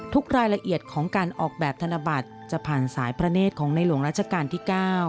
รายละเอียดของการออกแบบธนบัตรจะผ่านสายพระเนธของในหลวงราชการที่๙